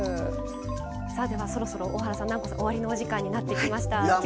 そろそろ、大原さん、南光さん終わりのお時間になってきました。